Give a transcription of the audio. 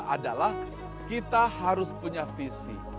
adalah kita harus punya visi